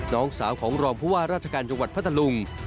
น้องสาวของรองผู้ว่าราชการจังหวัดพัทธลุง